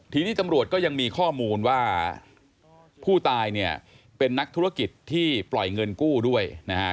ทีนี้ตำรวจก็ยังมีข้อมูลว่าผู้ตายเนี่ยเป็นนักธุรกิจที่ปล่อยเงินกู้ด้วยนะฮะ